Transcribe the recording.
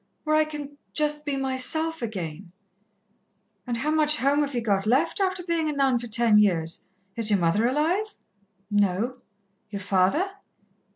Where I can just be myself again " "And how much home have ye got left, after being a nun ten years? Is your mother alive?" "No." "Your father?"